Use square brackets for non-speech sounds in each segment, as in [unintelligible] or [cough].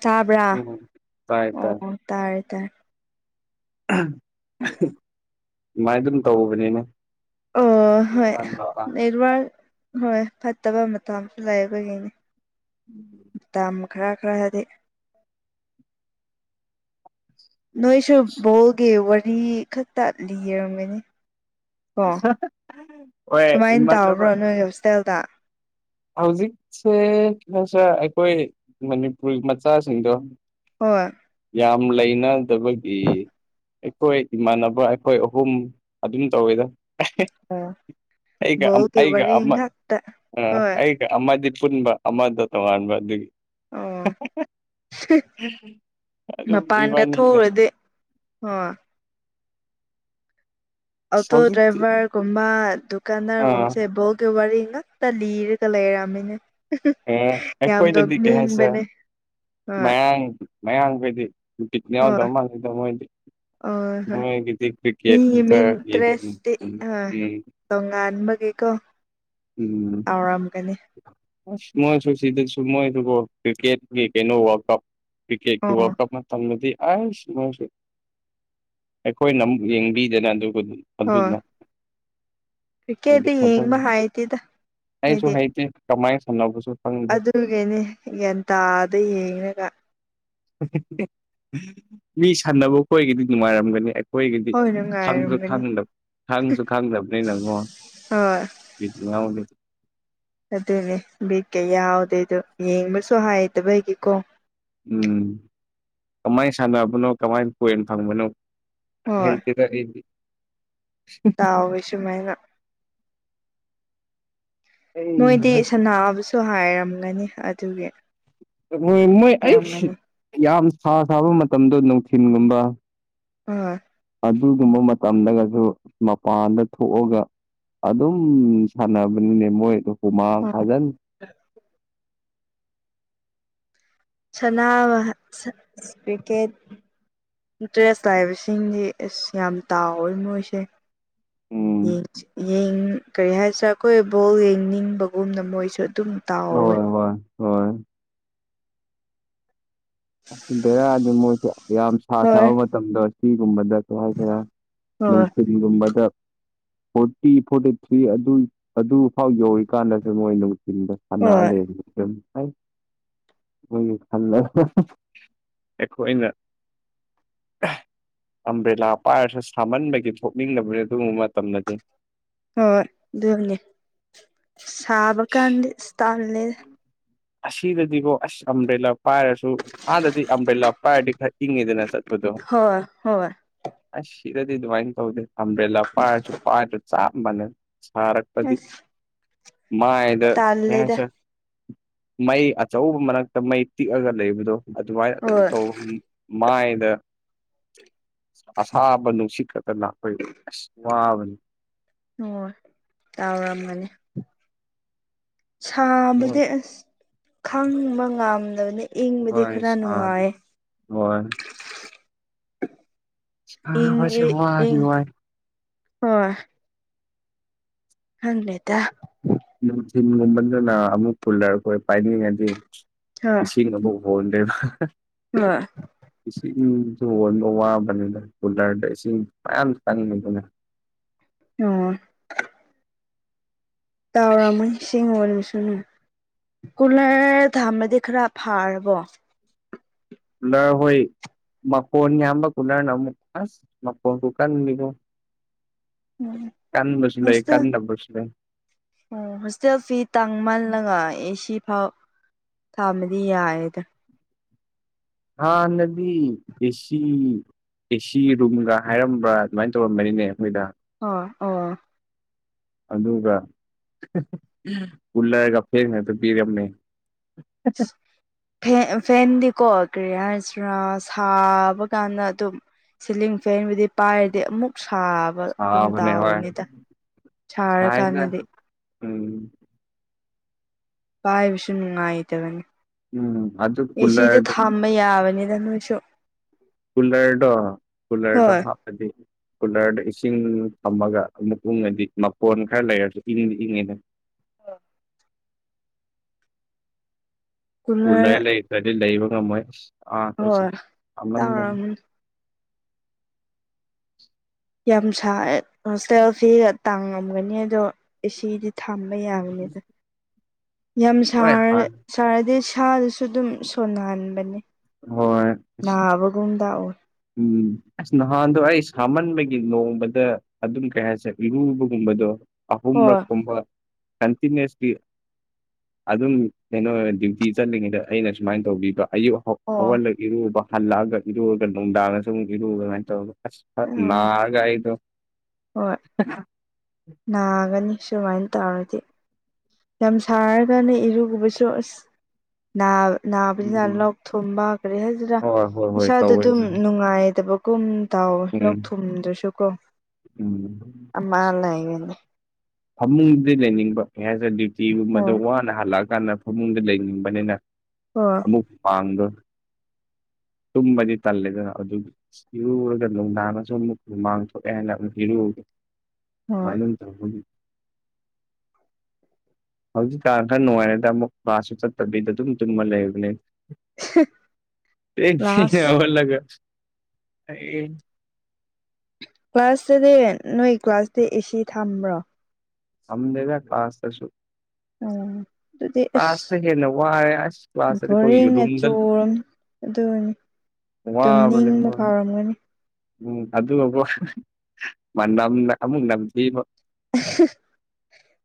ꯇꯕ꯭ꯔꯥ ꯎꯝ ꯇꯥꯏ ꯑꯣ ꯇꯥꯏ ꯇꯥꯔꯦ ꯇꯥꯥꯔ‌ꯦ ꯑꯗꯨꯃꯥꯏꯅ ꯑꯗꯨꯝ ꯇꯧꯕꯅꯤꯅꯦ ꯑꯣ ꯍꯣꯏ ꯃꯇꯥꯡ ꯃꯇꯥꯡ ꯅꯦꯠꯋꯥꯛ ꯍꯣꯏ ꯐꯠꯇꯕ ꯃꯇꯝꯁꯨ ꯂꯩꯕꯒꯤꯅ‌ꯦ ꯎꯝꯝ [inaudible] ꯃꯇꯝ ꯈꯔ ꯈꯔ ꯍꯥꯏꯗꯤ ꯅꯣꯏꯁꯨ ꯕꯣꯜꯒꯤ ꯋꯥꯔꯤ ꯈꯛꯇ ꯂꯤꯔꯝꯒꯅꯤ ꯑꯣ ꯍꯣꯏ ꯁꯨꯃꯥꯏꯅ ꯏꯃꯥꯟꯅꯕ ꯇꯥꯕ꯭ꯔꯣ ꯅꯣꯏ ꯍꯣꯁꯇꯦꯜꯗ ꯍꯧꯖꯤꯛꯁꯦ ꯅꯣꯁ [unintelligible] ꯑꯩꯈꯣꯏ ꯃꯅꯤꯄꯨꯔ ꯃꯆꯥꯁꯤꯡꯗꯣ ꯍꯣꯏ ꯌꯥꯝ ꯂꯩꯅꯗꯕꯒꯤ ꯑꯩꯈꯣꯏ ꯏꯃꯥꯟꯅꯕ ꯑꯩꯈꯣꯏ ꯑꯍꯨꯝ ꯑꯗꯨꯝ ꯇꯧꯋꯤꯗ ꯑꯣ ꯑꯩꯒ ꯕꯣꯜꯒꯤ ꯑꯩꯒ ꯋꯥꯔꯤ ꯑꯃ ꯉꯥꯛꯇ ꯎꯝ ꯍꯣꯏ ꯑꯩꯒꯤ ꯑꯃꯗꯤ ꯄꯨꯟꯕ ꯑꯃꯗꫭ ꯇꯣꯉꯥꯟꯕ ꯑꯗꯨꯒꯤ ꯑꯣ ꯑꯗꯨꯝ ꯏꯕꯥꯅꯤꯒ ꯍꫭ ꯑꯣꯇꯣ ꯍꯧꯖꯤꯛꯇꯤ ꯗ꯭ꯔꯥꯏꯚꯔꯒꯨꯝꯕ ꯑꯥ ꯗꯨꯀꯥꯟꯗꯥꯔꯒꯨꯝꯕꯁꯦ ꯕꯣꯜ ꯒꯤ ꯋꯥꯔꯤ ꯉꯥꯛꯇ ꯇꯂꯤꯔꯒ ꯂꯩꯔꯃꯤꯍ‌ꯦ ꯑꯦ ꯑꯩꯈꯣꯏꯗꯗꯤ ꯀꯩ ꯍꯥꯏꯁꯦ ꯍꯣꯏ ꯃꯌꯥꯡ ꯃꯌꯥꯡꯈꯩꯗꯤ ꯕꯤꯠ ꯍꯣꯏ ꯌꯥꯎꯗꯕ ꯃꯥꯥꯟꯂꯤꯗ ꯃꯣꯏꯗꯤ ꯑꯣ ꯍꯣꯏ ꯒꯦ ꯀ꯭ꯔꯀꯦꯠ ꯃꯤꯒꯤ ꯑ ꯃꯤꯟ ꯌꯦ ꯗ꯭ꯔꯦꯁꯇꯤ ꯎꯝ ꯑ [inaudible] ꯇꯣꯉꯥꯟꯕꯒꯤꯀꯣ ꯎꯝ ꯇꯥꯎꯔꯝꯒꯅꯤ ꯑꯁ ꯃꯣꯏꯁꯨ ꯁꯤꯗꯁꯨ ꯃꯣꯏꯗꯨꯀꫭ ꯀ꯭ꯔꯤꯛꯀꯦꯠꯀꯤ ꯀꯩꯅꯣ ꯋꯥꯔꯜ ꯀꯞ ꯀ꯭ꯔꯤꯀꯦꯠꯀꯤ ꯑꯣ ꯋꯥꯔꯜ ꯀ ꯃꯇꯝꯗꯨꯗꯤ ꯑꯁꯃꯁꯨ ꯑꯩꯈꯣꯏꯅ ꯑꯃꯨꯛ ꯌꯦꯡꯕꯤꯗꯅ ꯑꯗꯨꯒꯗꯨ ꯍꯣꯏ ꯑꯗꯨꯗꯗꯤ ꯀ꯭ꯔꯤꯀꯦꯠꯇꯤ ꯌꯦꯡꯕ ꯐꯖ ꯍꯥꯏꯇꯦꯗ ꯑꯩꯁꯨ ꯑꯩꯗꯤ ꯍꯩꯇꯦ ꯀꯃꯥꯏ ꯁꯝꯅꯕꯨꯁꯨ ꯑꯗꯨꯒꯤꯅꯤ ꯒ꯭ꯌꯥꯟꯇꯥꯥꯗ ꯌꯦꯡꯉꯒ ꯃꯤ ꯁꯥꯟꯅꯕ ꯈꯣꯏꯒꯤꯗꯤ ꯅꯨꯡꯉꯥꯏꯔꯝꯒꯅꯤ ꯑꯩꯈꯣꯏꯒꯤꯗꯤ ꯍꯣꯏ ꯈꯪ ꯅꯨꯡꯉꯥꯏꯔꯝꯒꯅꯤ ꯈꯪꯁꯨ ꯈꯪꯗꯕꯅꯤ ꯅꯪꯉꯣ ꯍꯣꯏ [unintelligible] ꯑꯗꯨꯅꯦ ꯕꯦꯛ ꯀ ꯌꯥꯎꯗꯦꯗꯣ ꯌꯦꯡꯕꯁꯨ ꯍꯩꯇꯕ ꯒꯤꯀꯣ ꯎꯝ ꯀꯃꯥꯏꯅ ꯁꯥꯟꯅꯕꯅꯣ ꯀꯃꯥꯏ ꯄꯣꯏꯟ ꯐꯪꯕꯅꯣ ꯍꯣꯏ ꯍꯥꯏꯗꯤꯗꯗꯤ ꯇꯥꯎꯋꯦ ꯁꯨꯃꯥꯏꯅ ꯃꯣꯏꯗꯤ ꯑꯩꯍꯥ ꯁꯅꯥꯕꯁꯨ ꯍꯥꯏꯔꯝꯒꯅꯤ ꯑꯗꯨꯒꯤ ꯃꯣꯏ ꯃꯣꯏ ꯑꯩ ꯑꯣꯏꯔꯝꯒꯅꯤ ꯌꯥꯝ ꯁꯥ ꯁꯥꯕ ꯃꯇꯝꯗꯣ ꯅꯨꯡꯊꯤꯜꯒꯨꯝꯕ ꯍꫭꯏ ꯑꯗꯨꯒꯨꯝꯕ ꯃꯇꯝꯗꯒꯁꯨ ꯃꯄꯥꯟꯗ ꯊꯣꯛꯑꯒ ꯑꯗꯨꯝ ꯁꯥꯟꯅꯕꯅꯤꯅꯦ ꯃꯣꯏꯗ ꯍꯨꯃꯥꯡ ꯐꯖꯤꯟ ꯁꯅꯥꯕ ꯁ ꯄ꯭ꯤꯀꯦꯠ ꯏꯟꯇꯔꯦꯁ ꯂꯥꯛꯕꯁꯤꯡꯗꯤ ꯑꯁ ꯌꯥꯝ ꯇꯥꯎꯋꯤ ꯃꯣꯏꯁꯦ ꯎꯝ ꯀꯔꯤ ꯍꯥꯏꯁꯤꯔꯦ ꯑꯩꯈꯣꯏ ꯕꯣꯜ ꯌꯦꯡꯅꯤꯡꯕ ꯒꯨꯝꯅ ꯃꯣꯏꯁꯨ ꯑꯗꯨꯝ ꯇꯥꯎꯋꯦ ꯍꯣꯏ ꯍꯣꯏ ꯍꯣꯏ ꯕꯦꯔꯥꯑꯗꯤ ꯃꯣꯏꯁꯦ ꯌꯥꯝ ꯁꯥ ꯍꯣꯏ ꯁꯥꯕ ꯃꯇꯝꯗ ꯑꯁꯤꯒꯨꯝꯕꯗ ꯀꯩ ꯍꯥꯏ ꯀꯔ ꯍꫭꯏ ꯒꯨꯝꯕꯗ ꯐꯣꯔꯇꯤ ꯐꯣꯔꯇꯤ ꯊ꯭ꯔꯤ ꯑꯗꯨ ꯑꯗꯨꯐꯥꯎ ꯌꯧꯔꯤꯀꯥꯟꯗꯁꯨ ꯃꯣꯏꯅ ꯎꯊꯜꯕꯁꯦ ꯐꯥꯟꯅ ꯍꯣꯏ ꯑꯂ ꯍꯣꯏ ꯐꯜꯂ ꯑꯩ ꯈꫭꯏꯅ ꯑꯝꯕ꯭ꯔꯦꯂꯥ ꯄꯥꯏꯔꯁꯨ ꯁꯥꯃꯟꯕꯒꯤ ꯊꯣꯛꯅꯤꯡꯗꯕꯅꯤ ꯑꯗꯨꯒꯨꯝꯕ ꯃꯇꯝꯗꯗꯤ ꯍꯣꯏ ꯑꯗꯨꯅꯦ ꯁꯥꯕ ꯀꯥꯟꯗꯤ ꯇꯜꯂꯦ ꯑꯁꯤꯗꯗꯤꯕꯣ ꯑꯁ ꯑꯝꯕ꯭ꯔꯦꯂꯥ ꯄꯥꯏꯔꯁꯨ ꯑꯗꯗꯤ ꯑꯝꯕꯦꯜꯂ ꯄꯥꯏꯔꯗꯤ ꯏꯪꯏꯗꯅ ꯁ ꯍꯣꯏ ꯍꯣꯏ ꯑꯁ ꯁꯤꯗꯗꯤ ꯑꯗꯨꯃꯥꯏ ꯇꯧꯗꯦ ꯑꯝꯕꯦꯜꯂ ꯄꯥꯏꯔꯁꯨ ꯄꯥꯏꯗꯔꯁꯨ ꯆꯞ ꯃꯥꯟꯅꯩ ꯑꯁ ꯃꯥꯑꯗ ꯇꯜꯂꯦꯗ [unintelligible] ꯃꯩ ꯑꯆꯧꯕ ꯃꯔꯛꯇ ꯃꯩ ꯇꯤꯛꯑꯒ ꯂꯩꯕꯗꯣ ꯑꯗꯨꯃꯥꯏꯅ ꯑꯗꯨꯝ ꯍꯣꯏ ꯇꯧ ꯃꯥꯏꯗ ꯑꯁꯥꯕ ꯅꯨꯡꯁꯤꯠ ꯈꯛꯇꯅ ꯑꯩꯈꯣꯏ ꯎ ꯑꯁ ꯋꯥꯕꯅꯤ ꯍꯣꯏ ꯇꯥꯎꯔꯝꯃꯅꯤ ꯃꯣꯏ ꯁꯥꯕꯗꯤ ꯑꯁ ꯈꯪꯕ ꯉꯝꯗꯕꯅ ꯏꯪꯕꯗꯤ ꯍꯣꯏ ꯈꯔ ꯁꯥꯗꯤ ꯅꯨꯡꯉꯥꯏ ꯍꯣꯏ ꯏꯪ ꯁꯥꯕꯁꯦ ꯋꯥꯗꯤ ꯋꯥꯏ [unintelligible] ꯈꯪꯗꯦꯗ ꯅꯨꯡꯊꯤꯟꯒꯨꯝꯕꯟꯗꯨꯅ ꯑꯃꯨꯛ ꯄꯨꯨꯜꯂꯔꯈꯣꯏ ꯄꯥꯏꯅꯤꯡꯉꯩꯗꯤ ꯏꯁꯤꯡ ꯑꯃꯨꯛ [unintelligible] ꯍꫭꯏ ꯏꯁꯤꯡ ꯊ ꯍꯣꯟꯕ ꯋꯥꯕꯅꯤꯅ ꯀꯨꯂꯔꯗ ꯏꯁꯤꯡ ꯃꯌꯥꯝ ꯆꯪꯉꯤꯗꯅ ꯑꯣ ꯇꯥꯎꯔꯝꯃꯣꯏ ꯁꯤꯡꯕ ꯁꯅꯨ ꯀꯨꯂ ꯊꯝꯕꯗꯤ ꯈꯔ ꯐꯥꯔꯕꯣ ꯀꯂ ꯍꯣꯏ ꯃꯀꯣꯟ ꯌꯥꯝꯕ ꯀꯨꯂꯔꯅ ꯑꯃꯨꯛ ꯑꯁ ꯃꯀꯣꯟ ꯀ ꯀꯟꯅꯤꯗꯨ ꯎꯝ ꯂꯩ ꯃꯁꯇ ꯀꯟꯗꯕꯁꯨ ꯂꯩ ꯑꯣ ꯍꯣꯁꯇꯦꯜ ꯐꯤ ꯇꯥꯡ ꯃꯥꯜꯂꯒ ꯑꯦꯁꯤ ꯐꯥꯎ ꯊꯝꯗꯤ ꯌꯥꯌꯦꯗ ꯍꯥꯥ ꯅꯕꯤ ꯀꯁꯤ ꯑꯦꯁꯤ ꯔꯨꯝꯒ ꯍꯥꯏꯔꯝꯕ꯭ꯔꯥ ꯑꯗꯨꯃꯥꯏꯅ ꯇꯧꯔꯝꯝꯕꯅꯤꯅꯦ ꯑꯩꯈꯣꯏꯗ ꯑꯣ ꯑꯣ ꯑꯗꯨꯒ ꯀꯂꯦ ꯐꯦ ꯄꯤꯔꯝꯅꯦ ꯐꯦꯟꯗꯤꯀꯣ ꯀꯔꯤ ꯍꯥꯏꯁꯤꯔ ꯁꯥꯕ ꯀꯥꯟꯗ ꯑꯗꯨꯝ ꯁꯤꯂꯤꯡ ꯐꯦꯟꯕꯨꯗꯤ ꯄꯥꯏꯔꯗꯤ ꯑꯃꯨꯛ ꯁꯥꯕ ꯒꯨꯝ ꯁꯥꯕꯅꯦ ꯍꯣꯏ ꯇꯥꯎꯕꯅꯤꯗ ꯁꯥꯏꯗ ꯁꯥꯔꯀꯥꯟꯗꯗꯤ ꯎꯝ ꯄꯥꯏꯕꯁꯨ ꯅꯨꯡꯉꯥꯏꯇꯕꯅꯤ ꯎꯝ ꯑꯗꯨ ꯑꯦꯁꯤꯗ ꯀꯨꯂꯔꯗꯨ ꯊꯝꯕ ꯌꯥꯕꯅꯤꯅ ꯅꯣꯏꯁꯨ ꯀꯂꯔꯗꯣ ꯀꯂꯔꯗꯣ ꯍꯣꯏ ꯍꯥꯗꯤ ꯀꯨꯂꯔꯗ ꯏꯁꯤꯡ ꯊꯝꯃꯒ ꯑꯃꯨꯛ ꯎꯪꯉꯗꯤ ꯃꯄꯣꯟ ꯈꯔ ꯂꯩꯔꯁꯨ ꯏꯪꯗꯤ ꯏꯪꯉꯤꯅ ꯁꯨꯜꯂ ꯀꯨꯂꯔ ꯂꯩꯇ꯭ꯔꯗꯤ ꯂꯩꯕ ꯉꯝꯃꯣꯏ ꯑꯥ ꯑꯩꯈꯣꯏꯁꯦ ꯍꯣꯏ ꯌꯥꯝꯅ ꯇꯥꯎꯔꯝꯃꯅꯤ ꯌꯥꯝ ꯁꯥꯏ ꯍꯣꯁꯇꯦꯜ ꯐꯤꯒ ꯇꯥꯡꯉꯝꯒꯅꯤ ꯑꯗꯣ ꯏꯗꯤ ꯊꯝꯕ ꯌꯥꯕꯅꯤꯗ ꯌꯥꯝ ꯍꯣꯏ ꯁꯥꯔ ꯍꯥꯟꯅ ꯁꯥꯔꯗꯤ ꯁꯥꯗꯨꯁꯨ ꯑꯗꯨꯝ ꯁꯣꯟꯅꯍꯟꯕꯅꯦ ꯍꯣꯏ ꯅꯥꯕꯒꯨꯝꯗ ꯑꯣꯏ ꯎꯝ ꯑꯁ ꯅꯍꯥꯟꯗꯣ ꯑꯩ ꯁꯥꯃꯟꯕꯒꯤ ꯅꯣꯡꯃꯗ ꯑꯗꯨꯝ ꯀꯩ ꯍꯥꯏꯁꯦ ꯂꯨꯕꯒꯨꯝꯕꯗꯣ ꯑꯍꯨꯝꯂꯛ ꯍꯣꯏ ꯀꯨꯝꯕ ꯀꯟꯇꯤꯅ꯭ꯁꯂꯤ ꯑꯗꯨꯝ ꯀꯩꯅꯣ ꯗ꯭ꯌꯨꯇꯤ ꯆꯠꯂꯤꯉꯩꯗ ꯑꯩꯅ ꯁꯨꯃꯥꯏꯅ ꯇꯧꯕꯤꯕ ꯑꯌꯨꯛ ꯑꯣ ꯍꯧꯒꯜꯂꯒ ꯏꯔꯨꯕ ꯍꯜꯂꯛꯑꯒ ꯏꯔꯨꯨꯔꯒ ꯅꯨꯡꯗꯥꯡꯗ ꯁꯨꯝ ꯏꯔꯨꯕꯒ ꯑꯗꯨꯃꯥꯏꯅ ꯎꯝ ꯇꯧꯔꯒ ꯒꯥꯏꯗꯣ ꯍꯣꯏ ꯅꯥꯒꯅꯤ ꯁꯨꯃꯥꯏꯅ ꯇꯧꯔꯗꯤ ꯌꯥꯝ ꯁꯥꯔꯒꯥꯟꯅꯦ ꯏꯔꯨꯒꯨꯕꯁꯨ ꯑꯁ ꯅꯥꯕꯅꯤꯅ ꯎꯝ ꯂꯣꯛ ꯊꯨꯝꯕ ꯀꯔꯤ ꯍꯥꯏꯁꯤꯔ ꯍꯣꯏ ꯍꯣꯏ ꯍꯣꯏ ꯏꯁꯥꯗ ꯇꯧꯋꯦ ꯑꯗꯨꯝ ꯅꯨꯡꯉꯥꯏꯗꯕ ꯀꯨꯝ ꯇꯥꯎꯋꯦ ꯂꯣꯛ ꯎꯝ ꯊꯨꯝꯗꯨꯁꯨ ꯀꯣ ꯎꯝ ꯑꯃ ꯂꯩꯉꯦꯅꯦ ꯐꯃꯨꯡꯗꯗꯤ ꯂꯩꯅꯤꯡꯕ ꯑꯦꯁ ꯗ꯭ꯌꯨꯇꯤꯒꯨꯝꯕꯗꯣ ꯍꯣꯏ ꯋꯥꯅ ꯍꯜꯂꯛꯑꯀꯥꯟꯗ ꯐꯃꯨꯡꯗ ꯂꯩꯅꯤꯡꯕꯅꯤꯅ ꯍꯣꯏ ꯎ ꯄꯥꯥꯡ ꯇꯨꯃꯅꯤ ꯇꯜꯂꯦꯗ ꯑꯗꯨ ꯏꯔꯨꯔꯒ ꯅꯨꯡꯗꯥꯡꯅꯁꯨ ꯑꯃꯨꯛ ꯃꯥꯡ ꯊꯣꯛꯑꯦ ꯍꯥꯏꯅ ꯑꯃꯨꯛ ꯍꯤꯔꯨꯒꯦ ꯍꯣꯏ ꯃꯥꯏꯅ ꯊꯅꯤ [inaudible] ꯍꯧꯖꯤꯛꯀꯥꯟ ꯈꯔ ꯅꯨꯡꯉꯥꯏꯔꯗ ꯑꯃꯨꯛ ꯃꯥꯕꯥꯁꯁꯨ ꯆꯠꯇꯕꯤꯗ ꯑꯗꯨꯝ ꯆꯨꯝꯕ ꯂꯩꯕꯅꯦ ꯂꯥꯁ ꯍꯧꯒꯠꯂꯒ ꯀ꯭ꯂꯥꯁꯇꯗꯤ ꯅꯣꯏ ꯀ꯭ꯂꯥꯁꯇ ꯑꯦꯁꯤ ꯊꯝꯕ꯭ꯔꯣ ꯁꯝꯗꯦꯕ ꯀ꯭ꯂꯥꯁꯁꯨ ꯑꯣ ꯑꯗꯨꯗꯤ ꯑꯁ ꯍꯦꯟꯅ ꯋꯥꯔꯦ ꯑꯁ ꯀ꯭ꯂꯥꯁꯇꯗꯤ ꯑꯩꯈꯣꯏꯒꯤ ꯕꯣꯔꯦꯡ ꯔꯨꯝꯗ ꯑꯆꯣꯔ ꯑꯗꯨꯅꯤ ꯑꯗꯨꯝ ꯋꯥꯕꯅꯦ ꯅꯤꯡꯕ ꯍꯣꯏ ꯐꯥꯎꯔꯝꯒꯅꯤ ꯎꯝ ꯑꯗꯨꯒꯀꯣ ꯑꯃꯨꯛ ꯅꯝꯊꯤꯕ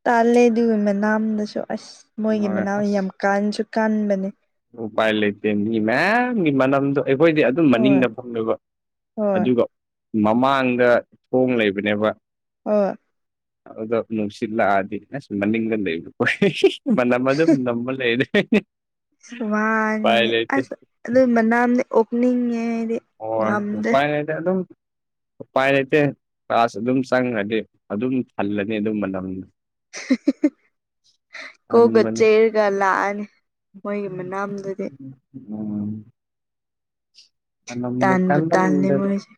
ꯇꯥꯜꯂꯦ ꯑꯗꯨꯒꯤ ꯃꯅꯥꯝꯗꯁꯨ ꯑꯁ ꯃꯣꯏꯒꯤ ꯃꯅꯥꯝ ꯌꯥꯝ ꯀꯥꯟꯁꯨ ꯀꯥꯟꯕꯅꯦ ꯎꯄꯥꯥꯏ ꯂꯩꯇꯦꯅꯤ ꯃꯌꯥꯝꯗꯣ ꯅꯈꯣꯏꯗꯤ ꯑꯗꯨꯝ ꯍꯣꯏ ꯃꯅꯤꯡꯗ ꯐꯪꯉꯕ ꯍꯣꯏ ꯑꯗꯨꯒ ꯃꯃꯥꯡꯗ ꯊꯣꯡ ꯂꯩꯕꯅꯦꯕ ꯍꯣꯏ ꯑꯗꯣ ꯅꯨꯡꯁꯤꯠ ꯂꯥꯛꯑꯗꯤ ꯑꯁ ꯃꯅꯤꯡꯗ ꯂꯩꯕꯣ ꯃꯅꯝ ꯑꯗꯨꯝ ꯅꯝꯃꯥ ꯂꯩ ꯋꯥꯅꯤꯗꯤ ꯑꯁ ꯑꯗꯨ ꯃꯅꯥꯝꯗ ꯑꯣꯄꯅꯤꯡꯉꯦ ꯑꯩꯗꯤ ꯍꯣꯏ ꯉꯝꯗꯦ ꯎꯄꯥꯏ ꯂꯩꯇꯦ ꯑꯗꯨꯝ ꯎꯄꯥꯏ ꯂꯩꯇꯦ ꯀ꯭ꯂꯥꯁ ꯑꯗꯨꯝ ꯆꯪꯈ꯭ꯔꯗꯤ ꯑꯗꯨꯝ ꯊꯜꯂꯅꯤ ꯑꯗꯨ ꯃꯅꯝꯅ ꯀꯣꯛꯀ ꯇꯟꯕꯅꯤ ꯆꯦꯔꯒ ꯂꯥꯅꯤ ꯃꯣꯏꯒꯤ ꯃꯅꯥꯝꯗꯨꯗꯤ ꯃꯅꯝꯅ ꯇꯥꯟꯕꯨ ꯇꯥꯜꯂꯦ ꯀꯟꯃꯟꯕꯅꯤ ꯃꯣꯏꯁꯦ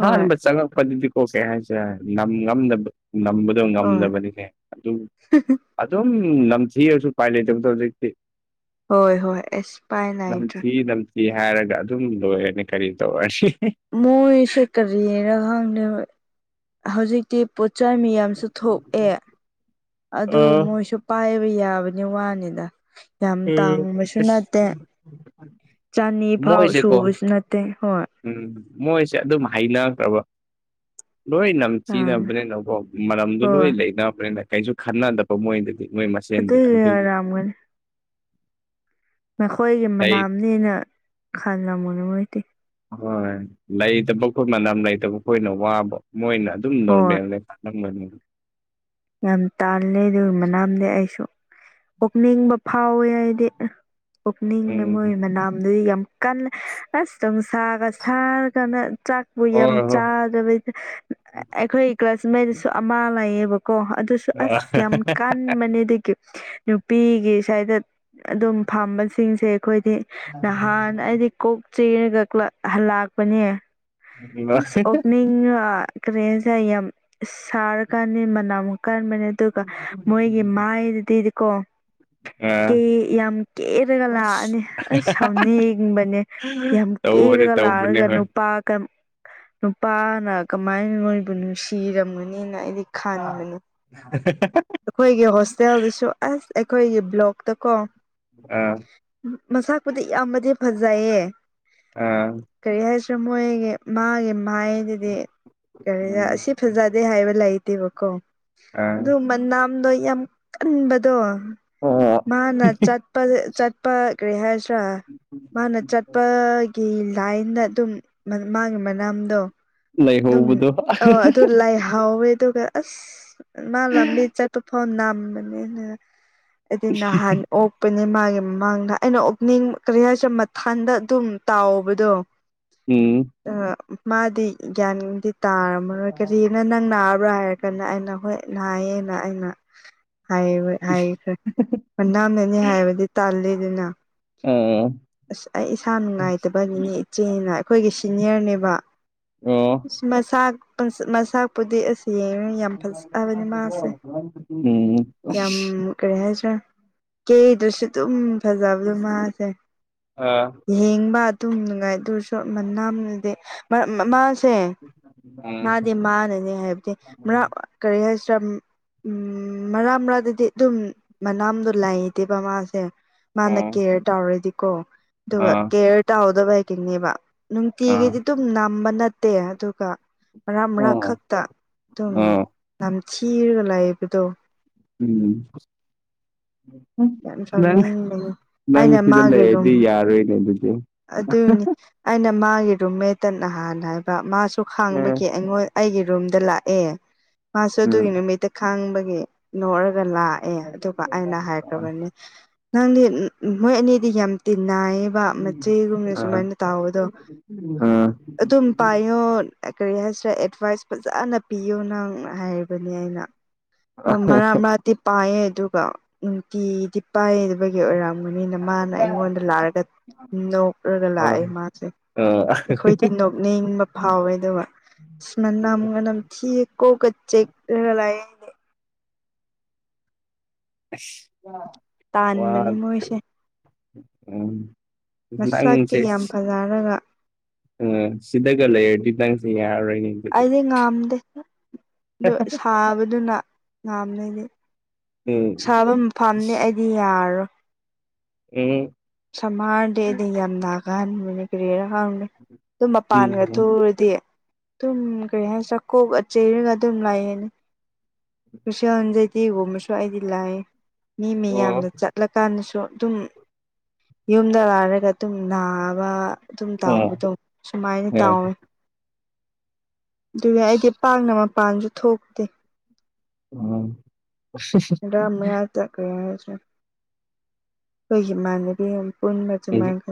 ꯍꯣꯏ ꯆꯪꯉꯛꯄꯖꯤꯗꯤ ꯊꯣꯛꯁꯦ ꯍꯥꯏꯁꯤꯔ ꯅꯝ ꯉꯝꯗꯕ ꯅꯝꯕꯗꯣ ꯍꯣꯏ ꯉꯝꯗꯕꯅꯤꯅꯦ ꯑꯗꯨꯝ ꯑꯗꯨꯝ ꯅꯝꯊꯤꯔꯁꯨ ꯎꯄꯥꯏ ꯂꯩꯇꯕꯗꯣ ꯍꯧꯖꯤꯛꯇꯤ ꯍꯣꯏ ꯍꯣꯏ ꯑꯦꯁ ꯄꯥꯏ ꯂꯩꯇꯔꯦ ꯏ ꯅꯝꯊꯤꯌꯦ ꯍꯥꯏꯔꯒ ꯑꯗꯨꯝ ꯂꯣꯏꯔꯅꯤ ꯀꯔꯤ ꯇꯧꯔꯁꯤ ꯃꯣꯏꯁꯦ ꯀꯔꯤꯔ ꯈꯪꯗꯕ ꯍꯧꯖꯤꯛꯇꯤ ꯄꯣꯠ ꯆꯩ ꯃꯤꯌꯥꯝ ꯊꯣꯛꯑꯦ ꯑꯗꯨ ꯑꯥ ꯃꯣꯏꯁꯨ ꯄꯥꯏꯕ ꯌꯥꯕꯅꯤ ꯋꯥꯅꯤꯅ ꯌꯥꯝ ꯎꯝ ꯇꯥꯡꯕꯁꯨ ꯑꯁ ꯅꯠꯇꯦ ꯆꯅꯤ ꯐꯥꯎ ꯃꯣꯏꯁꯦꯀꯣ ꯁꯨꯕꯁꯨ ꯅꯠꯇꯦ ꯍꯣꯏ ꯎꯝ ꯃꯣꯏꯁꯦ ꯑꯗꯨꯝ ꯍꯩꯅꯒꯔꯥꯕ ꯂꯣꯏ ꯅꯝ ꯇꯥꯡꯉꯦ ꯁꯤꯅꯕ꯭ꯔꯅꯀꯣ ꯃꯔꯝꯗꯣ ꯂꯣꯏ ꯍꯣꯏ ꯂꯩꯅꯕ꯭ꯔꯅ ꯀꯩꯁꯨ ꯈꯟꯅꯗꯕ ꯃꯣꯏꯗꯗꯤ ꯃꯣꯏ ꯃꯁꯦꯟꯒꯤ ꯑꯗꯨꯒꯤ ꯉꯝꯒꯥꯅꯤ ꯃꯈꯣꯏꯒꯤ ꯂꯩ ꯃꯅꯥꯝꯅꯦꯅ ꯈꯜꯂꯝꯒꯅꯤ ꯃꯣꯏꯗꯤ ꯍꯣꯏ ꯂꯩꯇꯕ ꯑꯩꯈꯣꯏ ꯃꯅꯝ ꯂꯩꯇꯕ ꯑꯩꯈꯣꯏꯅ ꯋꯥꯕ ꯃꯣꯏꯅ ꯑꯗꯨꯝ ꯍꯣꯏ ꯅꯣꯔꯃꯦꯜꯅꯤ ꯅꯝꯒꯅꯤ ꯌꯥꯝ ꯇꯥꯜꯂꯦ ꯑꯗꯨꯒꯤ ꯃꯅꯥꯝꯗꯤ ꯑꯩꯁꯨ ꯄꯨꯛꯅꯤꯡꯕ ꯐꯥꯎꯋꯦ ꯍꯥꯏꯗꯤ ꯄꯨꯛꯅꯤꯡꯉꯦ ꯃꯣꯏ ꯎꯝ ꯃꯅꯥꯝꯗꯨꯗꯤ ꯌꯥꯝ ꯀꯜꯂꯦ ꯑꯁ ꯅꯨꯡꯁꯥꯒ ꯁꯥꯔꯀꯥꯟꯗ ꯆꯥꯛꯄꯨ ꯌꯥꯝ ꯍꯣꯏ ꯍꯣꯏ ꯆꯥ ꯑꯩꯈꯣꯏ ꯀ꯭ꯂꯥꯁ ꯃꯩꯗꯁꯨ ꯑꯃ ꯂꯩꯥꯛꯌꯦꯕꯀꯣ ꯑꯗꯨ ꯑ ꯑꯁ ꯌꯥꯝ ꯀꯥꯜ ꯑꯟꯕꯅꯤꯗꯨꯒꯤ ꯅꯨꯄꯤꯒꯤ ꯁꯥꯏꯠꯗ ꯑꯗꯨꯝ ꯐꯝꯕꯁꯤꯡꯁꯦ ꯑꯩꯈꯣꯏꯗꯤ ꯅꯍꯥꯟ ꯑꯩꯗꯤ ꯀꯣꯛ ꯆꯦꯔꯒ ꯍꯜꯂꯥꯛꯄꯅꯦ ꯑꯁ ꯑꯣꯒꯅꯤꯡꯉꯥ ꯀ꯭ꯔꯤ ꯍꯥꯏꯁꯤꯔ ꯌꯥꯝ ꯁꯥꯔꯀꯥꯟꯗꯤ ꯃꯅꯝ ꯌꯥꯝ ꯀꯟꯕꯅꯦ ꯑꯗꯨꯒ ꯃꯣꯏꯒꯤ ꯃꯥꯏꯗꯗꯤꯀꯣ ꯀꯦ ꯑꯥ ꯌꯥꯝ ꯀꯦꯔꯒ ꯂꯥꯛꯑꯅꯤ ꯑꯁ ꯁꯥꯎꯅꯤꯡꯕꯅꯦ ꯌꯥꯝ ꯇꯧꯕꯅꯦ ꯀꯦꯔꯒ ꯇꯧꯕꯅꯦ ꯂꯥꯔꯒ ꯍꯣꯏ ꯅꯨꯄꯥꯒ ꯅꯨꯄꯥꯅ ꯀꯃꯥꯏꯅ ꯅꯣꯏꯕꯨ ꯅꯨꯡꯁꯤꯔꯝꯒꯅꯤꯅ ꯑꯩꯗꯤ ꯈꯟ [inaudible] ꯑꯩꯈꯣꯏꯒꯤ ꯍꯣꯁꯇꯦꯜꯗꯨꯁꯨ ꯑꯁ ꯑꯩꯈꯣꯏꯒꯤ ꯕ꯭ꯂꯣꯛꯇ ꯀꯣ ꯑꯥ ꯃꯁꯥꯛꯄꯨꯗꯤ ꯌꯥꯝꯕꯗꯤ ꯐꯖꯩꯌꯦ ꯑꯥ ꯀꯔꯤ ꯍꯥꯏꯁꯤꯔꯥ ꯃꯣꯏꯒꯤ ꯃꯥꯒꯤ ꯃꯥꯏꯗꯨꯗꯤ ꯀꯔꯤ ꯎꯝ ꯑꯁꯤ ꯐꯖꯗꯦ ꯍꯥꯏꯕ ꯂꯩꯇꯦꯕꯀꯣ ꯑꯥ ꯑꯗꯨ ꯃꯅꯥꯝꯗꯣ ꯌꯥꯝ ꯀꯟꯕꯗꯣ ꯑꯣ ꯃꯥꯅ ꯆꯠ ꯄꯥꯖꯦ ꯆꯠꯄ ꯀ꯭ꯔꯤ ꯍꯥꯏꯁꯤꯔꯥ ꯃꯥꯅ ꯆꯠꯄꯒꯤ ꯂꯥꯏꯟꯗ ꯑꯗꯨꯝ ꯃꯥꯒꯤ ꯃꯅꯥꯝꯗꯣ ꯑꯗꯨꯝ ꯂꯩꯍꯧꯕꯗꯣ ꯑꯥ ꯑꯗꯨ ꯂꯩ ꯍꯥꯎꯋꯦ ꯑꯗꯨꯒ ꯑꯁ ꯃꯥ ꯂꯝꯕꯤ ꯆꯠꯄꯥ ꯐꯥꯎ ꯅꯝ ꯃꯅꯤꯅ ꯑꯩꯗꯤ ꯅꯍꯥꯟ ꯑꯣꯛꯄꯅꯦ ꯃꯥꯒꯤ ꯃꯃꯥꯡꯗ ꯑꯩꯅ ꯑꯣꯛꯅꯤꯡ ꯀꯔꯤ ꯍꯥꯏꯁꯤꯔ ꯃꯊꯟꯗ ꯑꯗꯨꯝ ꯇꯥꯎꯕꯗꯣ ꯎꯝ ꯃꯥꯗꯤ ꯒ꯭ꯌꯥꯟꯗꯤ ꯇꯥꯔꯝꯃꯔꯣꯏ ꯑꯥ ꯑꯣ ꯀꯔꯤꯒꯤꯅꯣ ꯅꯪ ꯅꯥꯔꯕ꯭ꯔꯥ ꯍꯥꯏꯔꯒꯅ ꯑꯩꯅ ꯍꯣꯏ ꯅꯌꯦꯅ ꯑꯩꯅ ꯍꯥꯏꯔꯦ ꯍꯥꯏꯈ꯭ꯔꯦ ꯃꯅꯥꯝꯅꯅꯤ ꯍꯥꯏꯕꯗꯤ ꯇꯥꯜꯂꯦꯗꯅ ꯎꯝ ꯑꯁ ꯑꯩ ꯏꯁꯥ ꯅꯨꯡꯉꯥꯏꯇꯕꯒꯤꯅꯦ ꯏꯆꯦꯅ ꯑꯩꯈꯣꯏꯒꯤ ꯁꯤꯅꯤꯌꯔꯅꯦꯕ ꯑꯣ ꯃꯁꯥꯛ ꯃꯁꯥꯛꯄꯨꯗꯤ ꯑꯁ ꯌꯦꯡꯉ ꯌꯥꯝ ꯐꯖꯩ ꯎꯝ ꯎꯝ ꯀꯔꯤ ꯍꯥꯏꯁꯤꯔꯥ ꯀꯦꯗꯔꯁꯨ ꯑꯗꯨꯝ ꯐꯖꯕꯗꯨ ꯃꯥꯁꯦ ꯑ ꯌꯦꯡꯕ ꯑꯗꯨꯝ ꯅꯨꯡꯉꯥꯏ ꯑꯗꯨꯁꯨ ꯃꯅꯥꯝꯅꯗꯤ ꯃꯥ ꯁꯦ ꯃꯥꯗꯤ ꯃꯥꯅꯅꯦ ꯍꯥꯏꯕꯗꯤ ꯀꯔꯤ ꯍꯥꯏꯁꯤꯔꯥ ꯃꯔꯥ ꯃꯔꯥꯗꯗꯤ ꯑꯗꯨꯝ ꯃꯅꯥꯝꯗꯣ ꯂꯩ ꯇꯦꯕ ꯃꯥꯁꯦ ꯃꯥꯅ ꯀꯦꯌꯔ ꯇꯧꯔꯗꯤꯀꯣ ꯑꯗꯨꯒ ꯀꯦꯌꯔ ꯇꯥꯎꯗꯕꯒꯤꯅꯦꯕ ꯑꯥ ꯅꯨꯡꯇꯤꯒꯤꯗꯤ ꯑꯗꯨꯝ ꯅꯝꯕ ꯅꯠꯇꯦ ꯑꯗꯨꯒ ꯃꯔꯛ ꯃꯔꯛ ꯑꯣ ꯈꯛꯇ ꯑꯗꯨꯝ ꯑꯥ ꯅꯝꯊꯤꯔꯒ ꯂꯩꯕꯗꯣ ꯎꯝ ꯌꯥꯝ [unintelligible] ꯁꯥꯎꯅꯤꯡꯕꯅꯤ ꯅꯪ ꯑꯩꯅ ꯁꯤꯗ ꯃꯥꯒꯤ ꯔꯨꯝ ꯂꯩꯔꯗꯤ ꯌꯥꯔꯣꯏꯅꯦ ꯑꯗꯨꯗꯤ ꯑꯗꯨꯏꯅꯤ ꯑꯩꯅ ꯃꯥꯒꯤ ꯔꯨꯝꯃꯦꯠꯇ ꯅꯍꯥꯟ ꯍꯥꯏꯕ ꯃꯥꯁꯨ ꯎꯝ ꯈꯥꯡꯕꯒꯤ ꯑꯩꯉꯣꯟ ꯑꯩꯒꯤ ꯔꯨꯝꯗ ꯂꯥꯛꯑꯦ ꯃꯥꯁꯨ ꯎꯝ ꯑꯗꯨꯒꯤ ꯅꯨꯃꯤꯠꯇ ꯈꯥꯡꯕꯒꯤ ꯅꯣꯛꯔꯒ ꯂꯥꯛꯑꯦ ꯑꯗꯨꯒ ꯑꯩꯅ ꯍꯥꯏꯈ꯭ꯔꯕꯅꯤ ꯅꯪꯗꯤ ꯃꯣꯏ ꯑꯅꯤꯗꯤ ꯌꯥꯝ ꯇꯤꯟꯅꯩꯌꯦ ꯃꯆꯦꯒꯨꯝ ꯁꯨꯃꯥꯏꯅ ꯇꯥꯎꯕꯗꯣ ꯑꯗꯨꯝ ꯄꯥꯏꯌꯣ ꯀꯔꯤ ꯍꯥꯏꯁꯤꯔꯦ ꯑꯦꯗꯚꯥꯏꯁ ꯐꯖꯅ ꯄꯤꯌꯣ ꯅꯪ ꯍꯥꯏꯕꯅꯤ ꯑꯩꯅ ꯃꯥꯔꯛ ꯃꯥꯔꯛꯇꯤ ꯄꯥꯏꯌꯦ ꯑꯗꯨꯒ ꯅꯨꯡꯇꯤꯗꯤ ꯄꯥꯏꯗꯕꯒꯤ ꯑꯣꯏꯔꯝꯒꯅꯤꯅ ꯃꯥꯅ ꯑꯩꯉꯣꯟꯗ ꯂꯥꯛꯑꯒ ꯅꯣꯛꯔꯒ ꯂꯥꯛꯑꯦ ꯃꯥꯁꯦ ꯑ [unintelligible] ꯅꯤꯡꯕ ꯐꯥꯎꯋꯦ ꯑꯗꯨꯒ ꯑꯁ ꯃꯅꯝꯒ ꯅꯝꯊꯤꯌꯦ ꯀꯣꯛꯀ ꯆꯤꯛꯔꯒ ꯂꯩꯌꯦ ꯋꯥ ꯇꯥꯟꯕꯅꯤ ꯃꯣꯏꯁꯦ ꯎꯝ ꯅꯪꯖꯦ ꯁꯤ ꯂꯔꯒ ꯎꯝ ꯁꯤꯗꯒ ꯂꯩꯔꯗꯤ ꯅꯪꯁꯦ ꯌꯥꯔꯔꯣꯏꯅꯦ ꯑꯗꯨꯗꯤ ꯑꯩꯗꯤ ꯉꯥꯝꯗꯦ ꯑꯗꯨ ꯁꯥꯕꯗꯨꯅ ꯉꯥꯝꯅꯦꯗꯦ ꯎꯝ ꯁꯥꯕ ꯃꯐꯥꯝꯅꯦ ꯑꯩꯗꯤ ꯌꯥꯔꯣꯏ ꯎꯝ ꯁꯝꯃꯥꯔꯗꯤ ꯑꯩꯗꯤ ꯌꯥꯝ ꯅꯒꯟꯕꯅꯤ ꯀꯔꯤꯔ ꯈꯪꯗꯦ ꯑꯗꯨꯝ ꯃꯄꯥꯟꯒ ꯎꯝ ꯎꯝ ꯊꯨꯎꯔꯗꯤ ꯑꯗꯨꯝ ꯀꯩ ꯍꯥꯏꯁꯤꯔ ꯀꯣꯛꯑ ꯆꯩꯔꯒ ꯑꯗꯨꯝ ꯂꯩꯌꯦꯅꯦ ꯀꯨꯁꯣꯟꯖꯩꯗꯦꯒꯨꯝꯕꯁꯨ ꯑꯩꯗꯤ ꯂꯥꯏ ꯃꯤ ꯃꯌꯥꯝꯅ ꯆꯠꯂꯀꯥꯟꯗꯁꯨ ꯑꯗꯨꯝ ꯌꯨꯝꯗ ꯂꯥꯏꯔꯒ ꯑꯗꯨꯝ ꯅꯥꯕ ꯑꯗꯨꯝ ꯑꯣ ꯇꯥꯎꯕꯗꯣ ꯁꯨꯃꯥꯏꯅ ꯇꯥꯎꯋꯦ ꯑꯗꯨꯒ ꯑꯩꯗꯤ ꯄꯥꯛꯅ ꯃꯄꯥꯟꯁꯨ ꯊꯣꯛ ꯎꯝ ꯃꯔꯛ- ꯃꯔꯛꯇ ꯀꯔꯤ ꯍꯥꯏꯁꯤꯔ ꯑꯩꯈꯣꯏ ꯏꯃꯥꯟꯅꯕꯤꯍꯣꯏ ꯄꯨꯟꯕ ꯑ ꯑꯗꯨꯃꯥꯏꯀꯣ